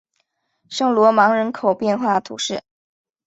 圣罗芒人口变化图示